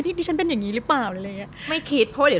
ดิฉันเป็นอย่างนี้หรือเปล่าอะไรอย่างเงี้ยไม่คิดเพราะเดี๋ยว